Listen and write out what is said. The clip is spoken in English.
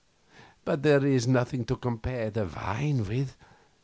But there is nothing to compare the wine with.